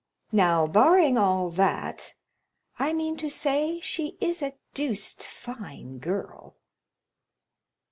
Now, barring all that, I mean to say she is a deuced fine girl!"